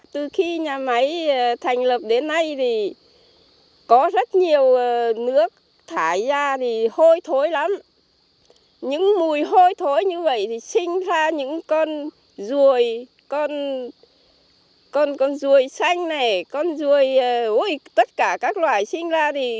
từ khi nhà máy thành lập đến nay có rất nhiều nước thải ra hôi thối lắm